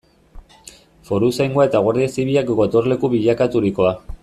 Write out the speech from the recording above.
Foruzaingoa eta Guardia Zibilak gotorleku bilakaturikoa.